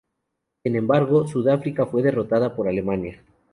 Sin embargo, Sudáfrica fue derrotada por Alemania.